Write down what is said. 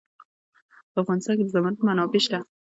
په افغانستان کې د زمرد منابع شته.